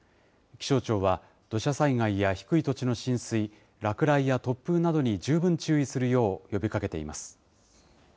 気象庁は、土砂災害や低い土地の浸水、落雷や突風などに十分注意するよう呼びかけています。